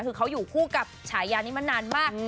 คือเขาอยู่คู่กับฉายานี้มานานมาก